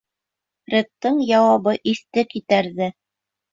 Фредтың яуабы иҫте китерҙе.